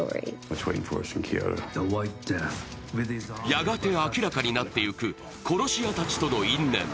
やがて明らかになっていく殺し屋たちとの因縁。